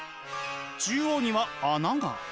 中央には穴が。